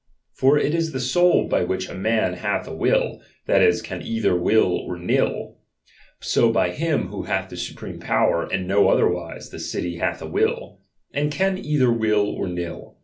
For it is the soul by ■which a man hath a will, that is, can either will or nill ; so by him who hath the supreme power, and HO otherwise, the city hath a will, and can either will or nill.